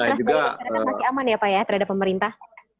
jadi trust by the government masih aman ya pak ya terhadap pemerintah